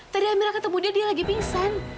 tadi amerika ketemu dia dia lagi pingsan